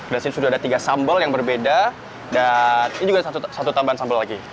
di sini sudah ada tiga sambal yang berbeda dan ini juga satu tambahan sambal lagi